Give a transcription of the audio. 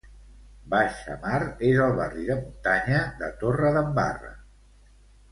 Baix a Mar és el barri de muntanya de Torredembarra.